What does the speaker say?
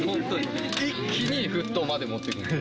一気に沸騰までもっていくので。